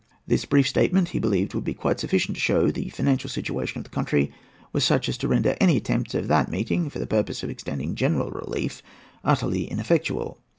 This brief statement, he believed, would be quite sufficient to show that the financial situation of the country was such as to render any attempts of that meeting for the purpose of extending general relief utterly ineffectual.